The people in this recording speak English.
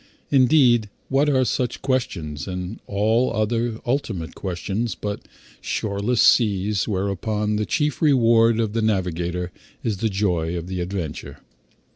Indeed, what are such questions, and all other ultimate questions, but shoreless seas whereon the chief reward of the navigator is the joy of the adventure?